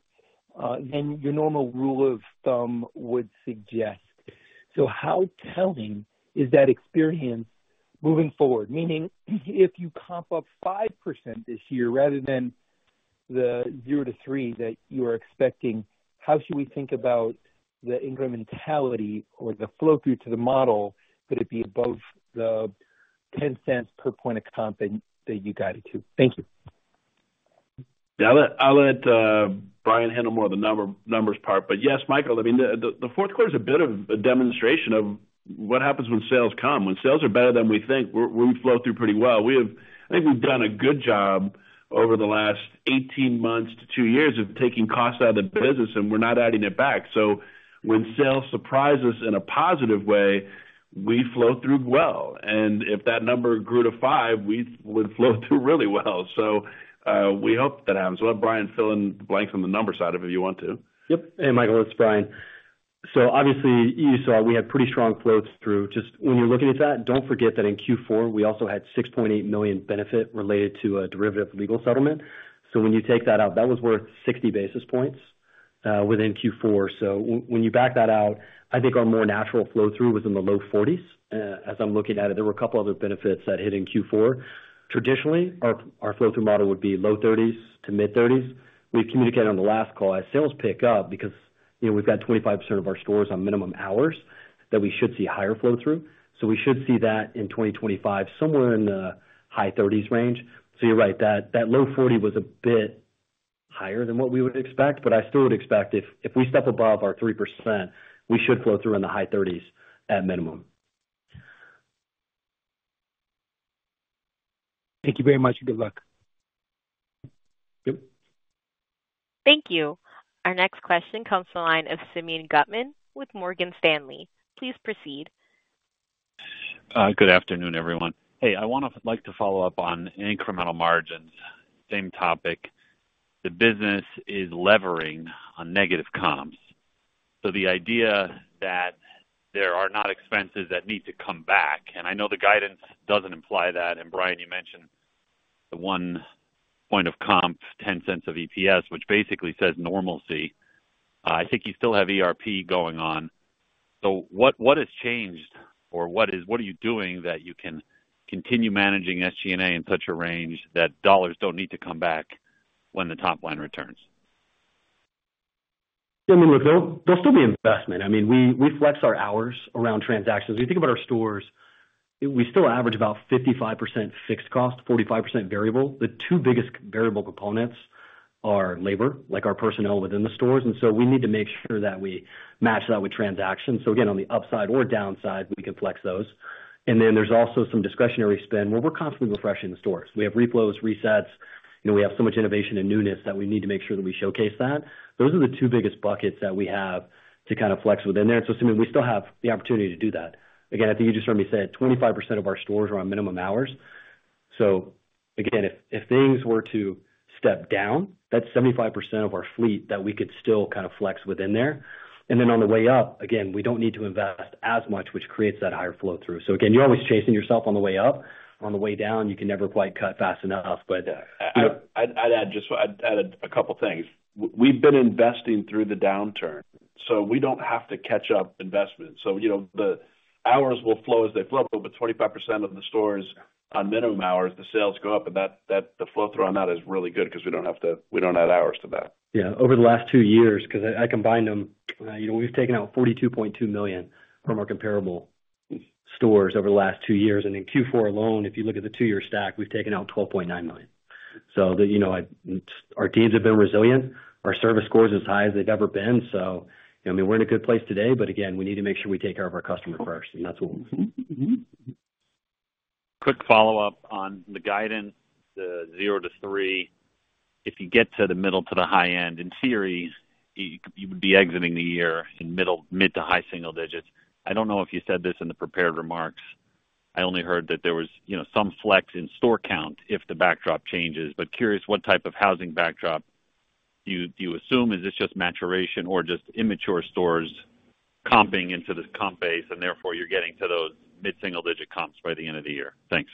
than your normal rule of thumb would suggest. So how telling is that experience moving forward? Meaning, if you comp up 5% this year rather than the 0% to 3% that you are expecting, how should we think about the incrementality or the flow-through to the model? Could it be above the $0.10 per point of comp that you guided to? Thank you. I'll let Bryan handle more of the numbers part. But yes, Michael, I mean, the fourth quarter is a bit of a demonstration of what happens when sales come. When sales are better than we think, we flow through pretty well. I think we've done a good job over the last 18 months to two years of taking costs out of the business, and we're not adding it back. So when sales surprise us in a positive way, we flow through well. And if that number grew to five, we would flow through really well. So we hope that happens. I'll let Bryan fill in the blanks on the number side of it if you want to. Yep. Hey, Michael, it's Bryan. So obviously, you saw we had pretty strong flow-through. Just when you're looking at that, don't forget that in Q4, we also had $6.8 million benefit related to a derivative legal settlement. So when you take that out, that was worth 60 basis points within Q4. So when you back that out, I think our more natural flow-through was in the low 40s. As I'm looking at it, there were a couple other benefits that hit in Q4. Traditionally, our flow-through model would be low 30s to mid 30s. We communicated on the last call as sales pick up because, you know, we've got 25% of our stores on minimum hours that we should see higher flow-through. So we should see that in 2025 somewhere in the high 30s range. So you're right, that low 40 was a bit higher than what we would expect. But I still would expect if we step above our 3%, we should flow through in the high 30s at minimum. Thank you very much. Good luck. Yep. Thank you. Our next question comes from the line of Simeon Gutman with Morgan Stanley. Please proceed. Good afternoon, everyone. Hey, I want to like to follow up on incremental margins. Same topic. The business is levering on negative comps. So the idea that there are not expenses that need to come back, and I know the guidance doesn't imply that. And Brian, you mentioned the one point of comp, $0.10 of EPS, which basically says normalcy. I think you still have ERP going on. So what has changed, or what are you doing that you can continue managing SG&A in such a range that dollars don't need to come back when the top line returns? I mean, look, there'll still be investment. I mean, we flex our hours around transactions. If you think about our stores, we still average about 55% fixed cost, 45% variable. The two biggest variable components are labor, like our personnel within the stores, and so we need to make sure that we match that with transactions, so again, on the upside or downside, we can flex those, and then there's also some discretionary spend where we're constantly refreshing the stores. We have reflows, resets. You know, we have so much innovation and newness that we need to make sure that we showcase that. Those are the two biggest buckets that we have to kind of flex within there, and so I mean, we still have the opportunity to do that. Again, I think you just heard me say it, 25% of our stores are on minimum hours. So again, if things were to step down, that's 75% of our fleet that we could still kind of flex within there. And then on the way up, again, we don't need to invest as much, which creates that higher flow-through. So again, you're always chasing yourself on the way up. On the way down, you can never quite cut fast enough. But I'd add just a couple of things. We've been investing through the downturn, so we don't have to catch up investments. So you know, the hours will flow as they flow. But 25% of the stores on minimum hours, the sales go up, and the flow-through on that is really good because we don't have to, we don't add hours to that. Yeah. Over the last two years, because I combined them, you know, we've taken out $42.2 million from our comparable stores over the last two years. And in Q4 alone, if you look at the two-year stack, we've taken out $12.9 million. So you know, our teams have been resilient. Our service score is as high as they've ever been. So I mean, we're in a good place today, but again, we need to make sure we take care of our customer first, and that's what we'll do. Quick follow-up on the guidance, the 0%-3%. If you get to the middle to the high end, in theory, you would be exiting the year in middle to high single digits. I don't know if you said this in the prepared remarks. I only heard that there was, you know, some flex in store count if the backdrop changes. But, curious what type of housing backdrop do you assume? Is this just maturation or just immature stores comping into the comp base, and therefore you're getting to those mid-single digit comps by the end of the year? Thanks.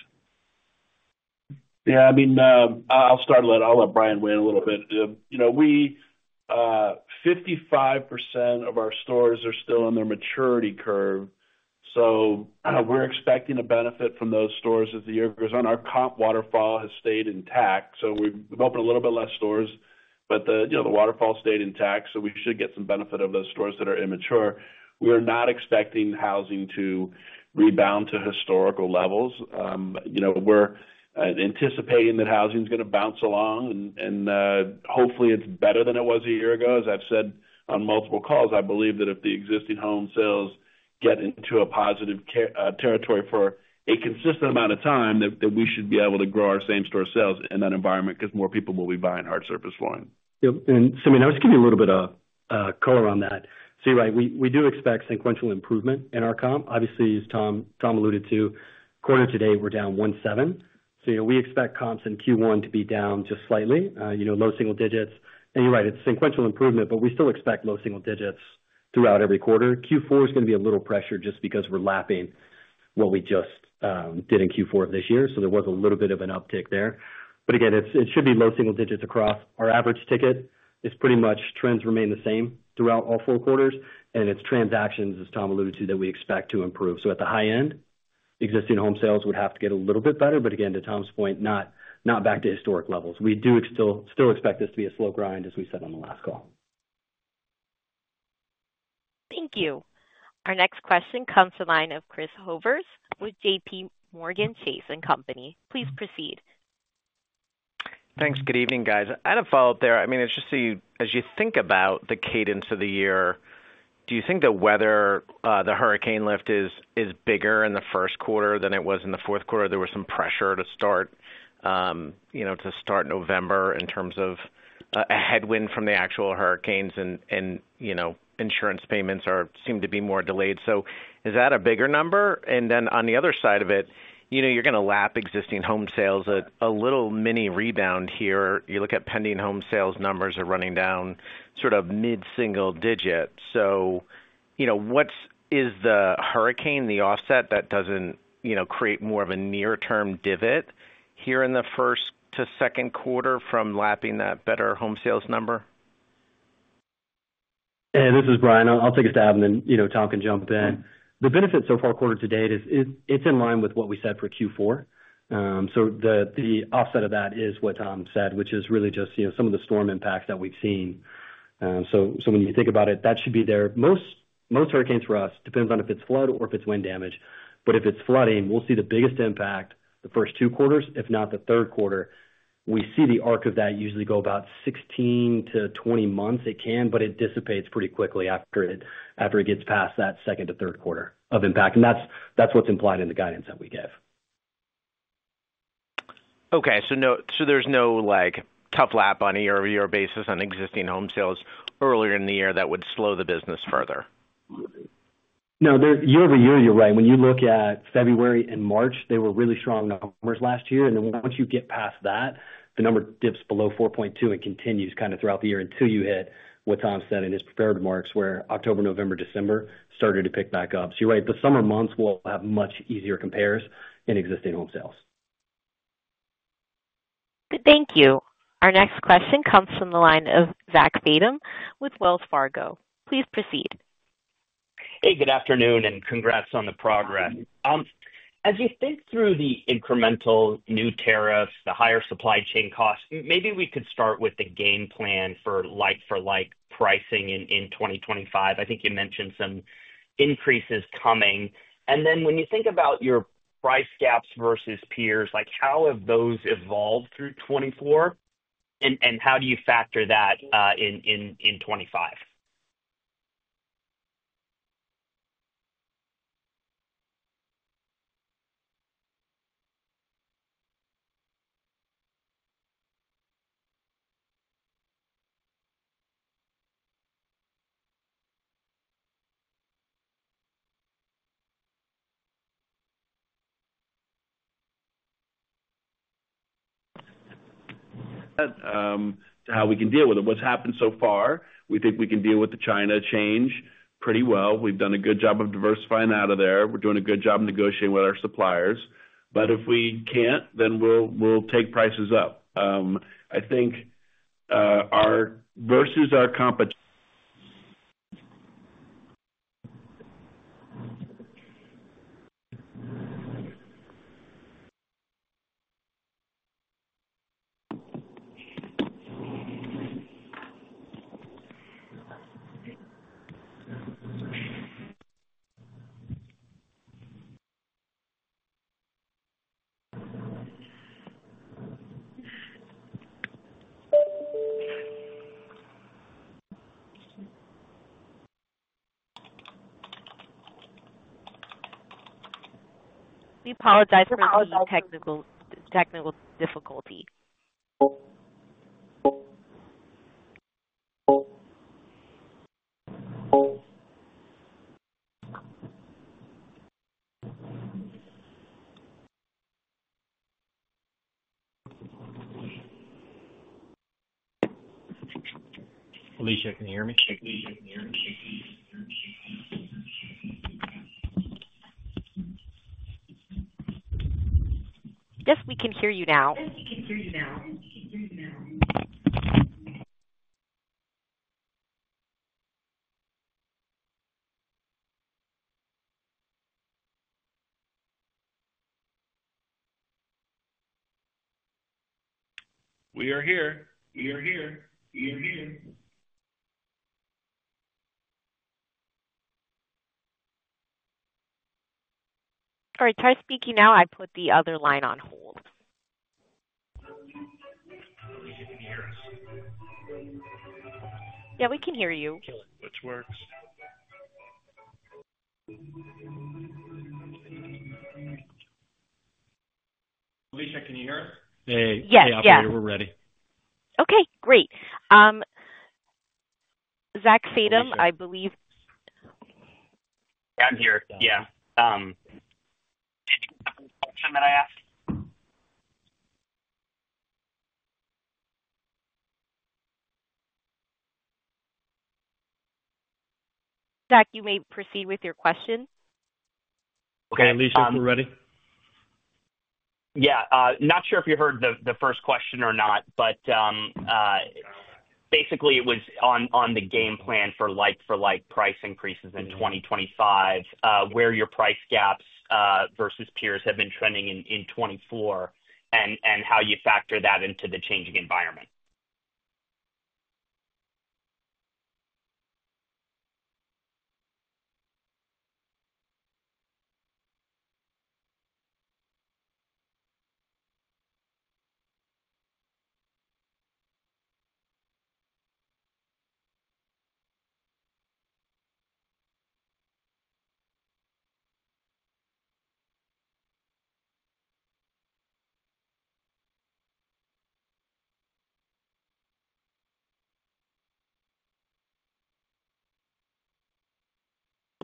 Yeah. I mean, I'll start with. I'll let Bryan weigh in a little bit. You know, 55% of our stores are still on their maturity curve. So we're expecting a benefit from those stores as the year goes on. Our comp waterfall has stayed intact. So we've opened a little bit less stores, but the, you know, the waterfall stayed intact. So we should get some benefit of those stores that are immature. We are not expecting housing to rebound to historical levels. You know, we're anticipating that housing is going to bounce along, and hopefully it's better than it was a year ago. As I've said on multiple calls, I believe that if the existing home sales get into a positive territory for a consistent amount of time, that we should be able to grow our same store sales in that environment because more people will be buying hard surface flooring. Yep, and Simeon, I was giving you a little bit of color on that. So you're right, we do expect sequential improvement in our comp. Obviously, as Tom alluded to, quarter to date, we're down 17%. So you know, we expect comps in Q1 to be down just slightly, you know, low single digits. And you're right, it's sequential improvement, but we still expect low single digits throughout every quarter. Q4 is going to be a little pressure just because we're lapping what we just did in Q4 of this year. So there was a little bit of an uptick there. But again, it should be low single digits across our average ticket. It's pretty much trends remain the same throughout all four quarters. And it's transactions, as Tom alluded to, that we expect to improve. So at the high end, existing home sales would have to get a little bit better. But again, to Tom's point, not back to historic levels. We do still expect this to be a slow grind, as we said on the last call. Thank you. Our next question comes to the line of Chris Horvers with JPMorgan Chase & Company. Please proceed. Thanks. Good evening, guys. I had a follow-up there. I mean, it's just so you, as you think about the cadence of the year, do you think the weather, the hurricane lift is bigger in the first quarter than it was in the fourth quarter? There was some pressure to start, you know, to start November in terms of a headwind from the actual hurricanes, and, you know, insurance payments seem to be more delayed. So is that a bigger number? And then on the other side of it, you know, you're going to lap existing home sales at a little mini rebound here. You look at pending home sales numbers, are running down sort of mid-single digit. So, you know, what is the hurricane, the offset that doesn't, you know, create more of a near-term divot here in the first to second quarter from lapping that better home sales number? Hey, this is Bryan. I'll take a stab, and then, you know, Tom can jump in. The benefit so far, quarter to date, it's in line with what we said for Q4. So the offset of that is what Tom said, which is really just, you know, some of the storm impacts that we've seen. So when you think about it, that should be there. Most hurricanes for us depends on if it's flood or if it's wind damage. But if it's flooding, we'll see the biggest impact the first two quarters, if not the third quarter. We see the arc of that usually go about 16-20 months. It can, but it dissipates pretty quickly after it gets past that second to third quarter of impact. And that's what's implied in the guidance that we gave. Okay. So there's no like tough comp on a year-over-year basis on existing home sales earlier in the year that would slow the business further? No, year-over-year, you're right. When you look at February and March, they were really strong numbers last year. And then once you get past that, the number dips below 4.2 and continues kind of throughout the year until you hit what Tom said in his prepared remarks where October, November, December started to pick back up. So you're right, the summer months will have much easier compares in existing home sales. Thank you. Our next question comes from the line of Zach Fadem with Wells Fargo. Please proceed. Hey, good afternoon, and congrats on the progress. As you think through the incremental new tariffs, the higher supply chain costs, maybe we could start with the game plan for like-for-like pricing in 2025. I think you mentioned some increases coming. And then when you think about your price gaps versus peers, like how have those evolved through 2024? And how do you factor that in 2025? To how we can deal with it. What's happened so far? We think we can deal with the China change pretty well. We've done a good job of diversifying out of there. We're doing a good job negotiating with our suppliers. But if we can't, then we'll take prices up. I think our versus our comp. We apologize for technical difficulty. Alicia, can you hear me? Yes, we can hear you now. Start speaking now, I put the other line on hold. Alicia, can you hear us? Yeah, we can hear you. Which works. Alicia, can you hear us? Yes. Yeah. We're ready. Okay. Great. Zach Fadem, I believe. Yeah, I'm here. Yeah. Did you have a question that I asked? Zach, you may proceed with your question. Okay. Alicia, we're ready. Yeah. Not sure if you heard the first question or not, but basically it was on the game plan for like-for-like price increases in 2025, where your price gaps versus peers have been trending in 2024, and how you factor that into the changing environment.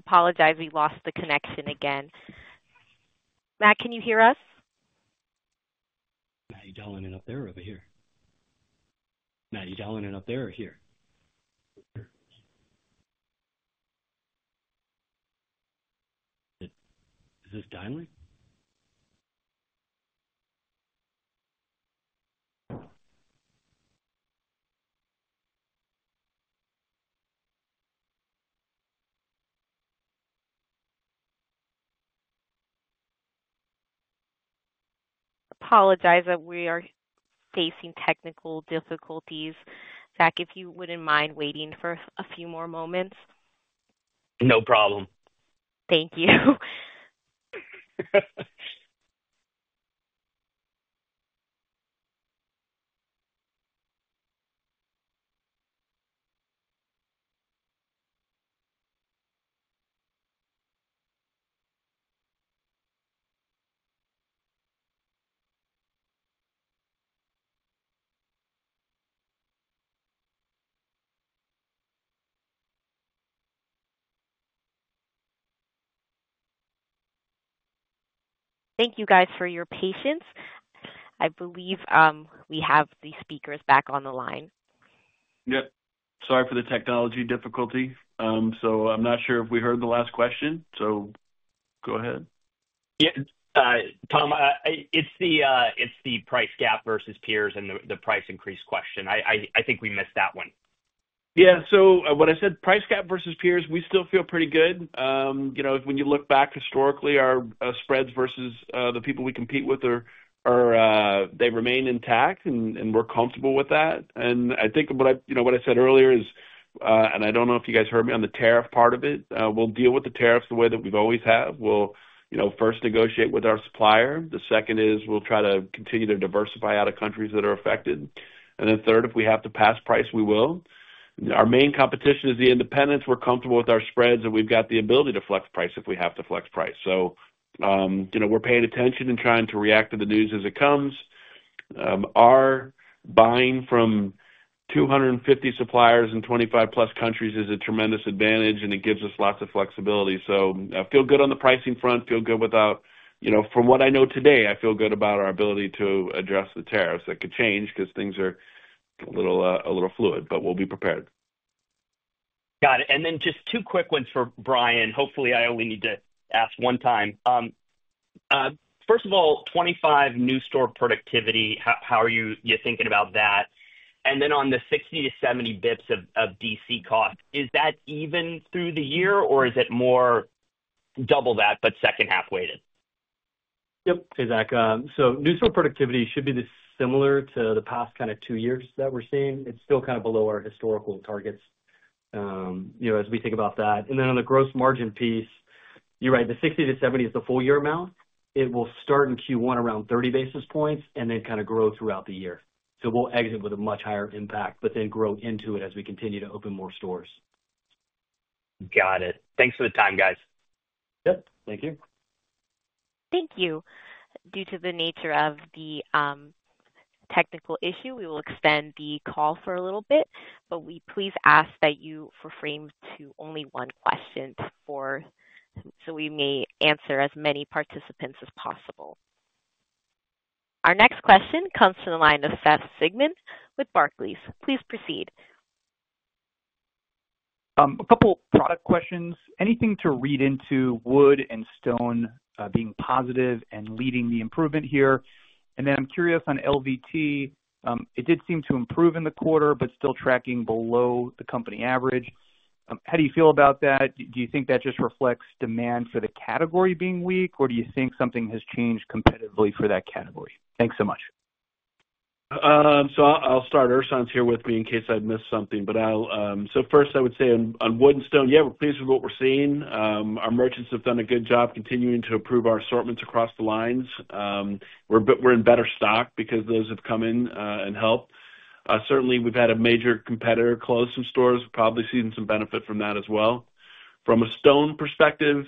Apologize. We lost the connection again. Matt, can you hear us? Matty are you dialing in up there or over here? Matty are you dialing in up there or here? Is this dialing? Apologize that we are facing technical difficulties. Zach, if you wouldn't mind waiting for a few more moments. No problem. Thank you. Thank you guys for your patience. I believe we have the speakers back on the line. Yep. Sorry for the technology difficulty. So I'm not sure if we heard the last question. So go ahead. Yeah. Tom, it's the price gap versus peers and the price increase question. I think we missed that one. Yeah. So what I said, price gap versus peers, we still feel pretty good. You know, when you look back historically, our spreads versus the people we compete with, they remain intact, and we're comfortable with that. And I think what I said earlier is, and I don't know if you guys heard me on the tariff part of it, we'll deal with the tariffs the way that we've always have. We'll, you know, first negotiate with our supplier. The second is we'll try to continue to diversify out of countries that are affected. And then third, if we have to pass price, we will. Our main competition is the independents. We're comfortable with our spreads, and we've got the ability to flex price if we have to flex price. So, you know, we're paying attention and trying to react to the news as it comes. Our buying from 250 suppliers in 25+ countries is a tremendous advantage, and it gives us lots of flexibility. So feel good on the pricing front, feel good without, you know, from what I know today, I feel good about our ability to address the tariffs that could change because things are a little fluid, but we'll be prepared. Got it. And then just two quick ones for Bryan. Hopefully, I only need to ask one time. First of all, '25 new store productivity, how are you thinking about that? And then on the 60-70 basis points of DC cost, is that even through the year, or is it more double that, but second half weighted? Yep. Hey, Zach. So new store productivity should be similar to the past kind of two years that we're seeing. It's still kind of below our historical targets, you know, as we think about that. And then on the gross margin piece, you're right, the 60-70 is the full year amount. It will start in Q1 around 30 basis points and then kind of grow throughout the year. So we'll exit with a much higher impact, but then grow into it as we continue to open more stores. Got it. Thanks for the time, guys. Yep. Thank you. Thank you. Due to the nature of the technical issue, we will extend the call for a little bit, but we please ask that you limit to only one question so we may answer as many participants as possible. Our next question comes from the line of Seth Sigman with Barclays. Please proceed. A couple of product questions. Anything to read into wood and stone being positive and leading the improvement here? And then I'm curious on LVT. It did seem to improve in the quarter, but still tracking below the company average. How do you feel about that? Do you think that just reflects demand for the category being weak, or do you think something has changed competitively for that category? Thanks so much. So I'll start. Ersan's here with me in case I missed something. But so first, I would say on wood and stone, yeah, we're pleased with what we're seeing. Our merchants have done a good job continuing to improve our assortments across the lines. We're in better stock because those have come in and helped. Certainly, we've had a major competitor close some stores. We're probably seeing some benefit from that as well. From a stone perspective,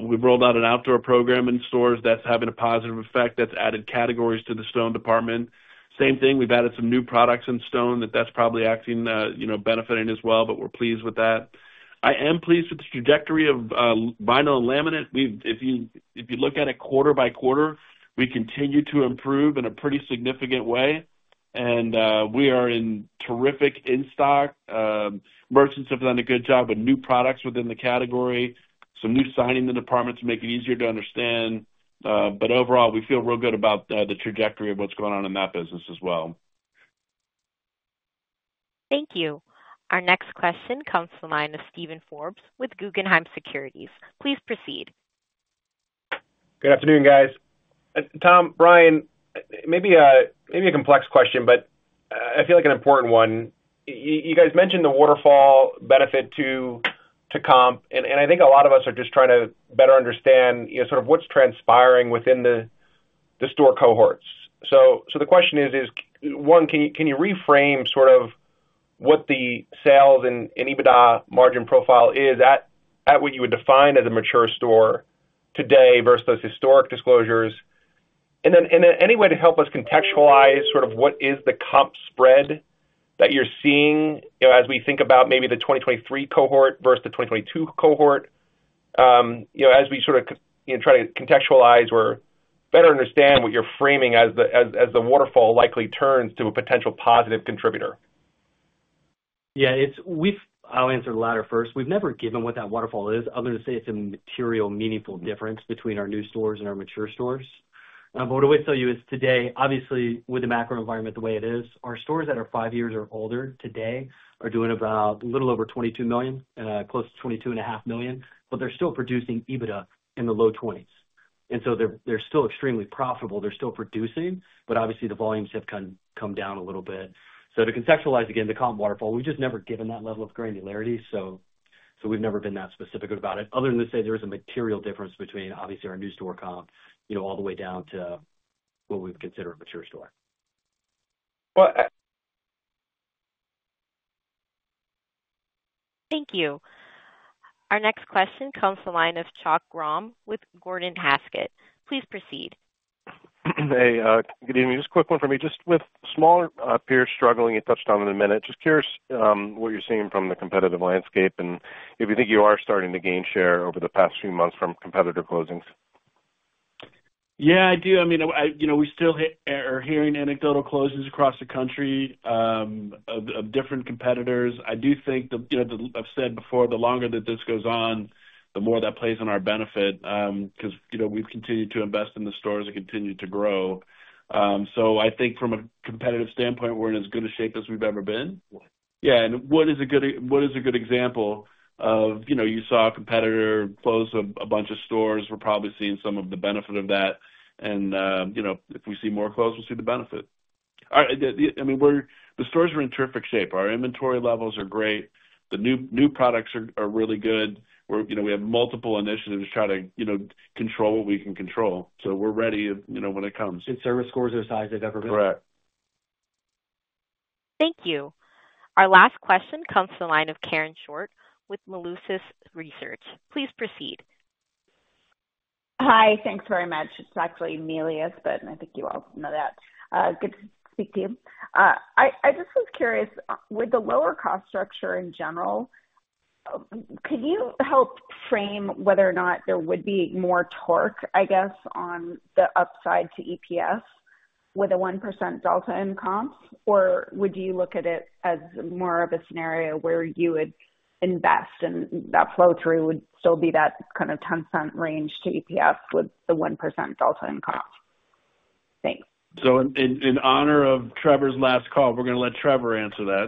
we've rolled out an outdoor program in stores that's having a positive effect. That's added categories to the stone department. Same thing, we've added some new products in stone that's probably acting, you know, benefiting as well, but we're pleased with that. I am pleased with the trajectory of vinyl and laminate. If you look at it quarter by quarter, we continue to improve in a pretty significant way. And we are in terrific in stock. Merchants have done a good job with new products within the category. Some new signage in the department to make it easier to understand. But overall, we feel real good about the trajectory of what's going on in that business as well. Thank you. Our next question comes from the line of Steven Forbes with Guggenheim Securities. Please proceed. Good afternoon, guys. Tom, Bryan, maybe a complex question, but I feel like an important one. You guys mentioned the waterfall benefit to comp, and I think a lot of us are just trying to better understand, you know, sort of what's transpiring within the store cohorts. So the question is, one, can you reframe sort of what the sales and EBITDA margin profile is at what you would define as a mature store today versus those historic disclosures? And then any way to help us contextualize sort of what is the comp spread that you're seeing as we think about maybe the 2023 cohort versus the 2022 cohort? You know, as we sort of try to contextualize or better understand what you're framing as the waterfall likely turns to a potential positive contributor. Yeah. I'll answer the latter first. We've never given what that waterfall is, other than to say it's a material, meaningful difference between our new stores and our mature stores. But what I would tell you is today, obviously, with the macro environment the way it is, our stores that are five years or older today are doing about a little over $22 million, close to $22.5 million, but they're still producing EBITDA in the low 20s. And so they're still extremely profitable. They're still producing, but obviously, the volumes have come down a little bit. So to contextualize again the comp waterfall, we've just never given that level of granularity. So we've never been that specific about it, other than to say there is a material difference between, obviously, our new store comp, you know, all the way down to what we would consider a mature store. Thank you. Our next question comes from the line of Chuck Grom with Gordon Haskett. Please proceed. Hey, good evening. Just a quick one for me. Just with smaller peers struggling, you touched on it in a minute. Just curious what you're seeing from the competitive landscape and if you think you are starting to gain share over the past few months from competitor closings. Yeah, I do. I mean, you know, we still are hearing anecdotal closings across the country of different competitors. I do think, you know, I've said before, the longer that this goes on, the more that plays in our benefit because, you know, we've continued to invest in the stores and continue to grow. So I think from a competitive standpoint, we're in as good a shape as we've ever been. Yeah. And wood is a good example of, you know, you saw a competitor close a bunch of stores. We're probably seeing some of the benefit of that. And, you know, if we see more close, we'll see the benefit. I mean, the stores are in terrific shape. Our inventory levels are great. The new products are really good. We have multiple initiatives to try to, you know, control what we can control. So we're ready, you know, when it comes. And service scores are as high as they've ever been. Correct. Thank you. Our last question comes from the line of Karen Short with Melius Research. Please proceed. Hi. Thanks very much. It's actually Melius, but I think you all know that. Good to speak to you. I just was curious, with the lower cost structure in general, could you help frame whether or not there would be more torque, I guess, on the upside to EPS with a 1% delta in comps, or would you look at it as more of a scenario where you would invest and that flow-through would still be that kind of $0.10 range to EPS with the 1% delta in comps? Thanks. So in honor of Trevor's last call, we're going to let Trevor answer that.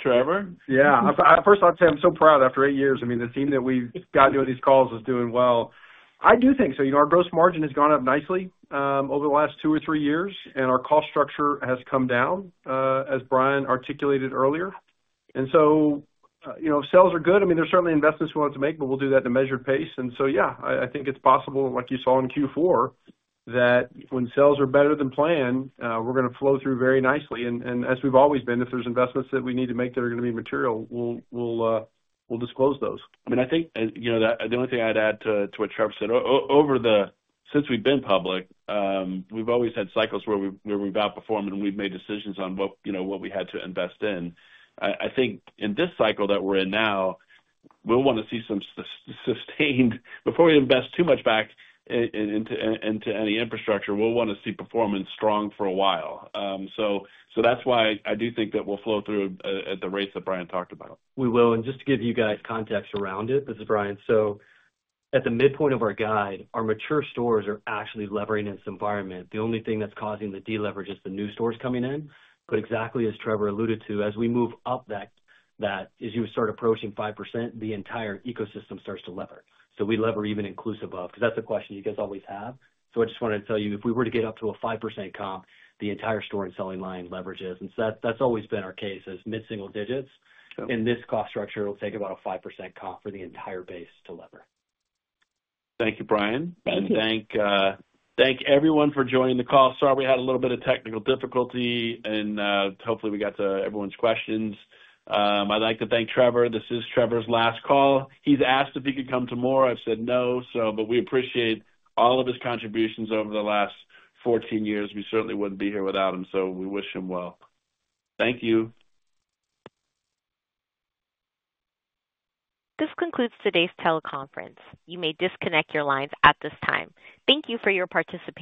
Trevor? Yeah. First, I'll say I'm so proud after eight years. I mean, the team that we've gotten to with these calls is doing well. I do think so. You know, our gross margin has gone up nicely over the last two or three years, and our cost structure has come down, as Bryan articulated earlier. And so, you know, if sales are good, I mean, there's certainly investments we want to make, but we'll do that at a measured pace. And so, yeah, I think it's possible, like you saw in Q4, that when sales are better than planned, we're going to flow through very nicely. And as we've always been, if there's investments that we need to make that are going to be material, we'll disclose those. I mean, I think, you know, the only thing I'd add to what Trevor said, over the, since we've been public, we've always had cycles where we've outperformed and we've made decisions on what we had to invest in. I think in this cycle that we're in now, we'll want to see some sustained, before we invest too much back into any infrastructure, we'll want to see performance strong for a while. So that's why I do think that we'll flow through at the rates that Bryan talked about. We will. And just to give you guys context around it, this is Bryan. So at the midpoint of our guide, our mature stores are actually levering in this environment. The only thing that's causing the deleverage is the new stores coming in. But exactly as Trevor alluded to, as we move up that, as you start approaching 5%, the entire ecosystem starts to lever. So we lever even inclusive of, because that's a question you guys always have. So I just wanted to tell you, if we were to get up to a 5% comp, the entire store and selling line leverages. And so that's always been our case as mid-single digits. In this cost structure, it'll take about a 5% comp for the entire base to lever. Thank you, Bryan.Thank everyone for joining the call. Sorry, we had a little bit of technical difficulty, and hopefully we got to everyone's questions. I'd like to thank Trevor. This is Trevor's last call. He's asked if he could come tomorrow. I've said no, but we appreciate all of his contributions over the last 14 years. We certainly wouldn't be here without him, so we wish him well. Thank you. This concludes today's teleconference. You may disconnect your lines at this time. Thank you for your participation.